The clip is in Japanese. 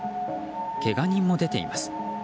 けが人も出ています。